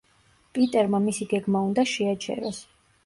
პიტერმა მისი გეგმა უნდა შეაჩეროს.